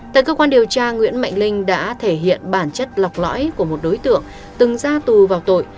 tại cơ quan điều tra nguyễn mạnh linh đã thể hiện bản chất lọc lõi của một đối tượng từng ra tù vào tội